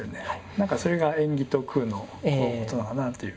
何かそれが縁起と空のことなのかなという。